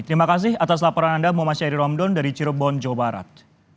terima kasih atas laporan anda muhammad syahri romdon dari cirebon jawa barat